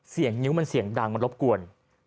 เสียงนิ้วเสียงดังมันรบกวน